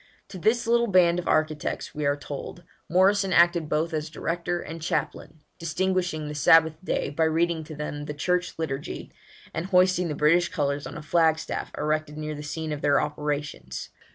To this little band of architects, we are told, Morrison acted both as director and chaplain, distinguishing the Sabbath day by reading to them the Church Liturgy, and hoisting the British colours on a flagstaff erected near the scene of their operations.